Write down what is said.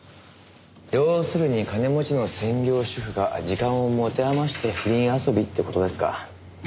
要するに金持ちの専業主婦が時間を持て余して不倫遊びって事ですか。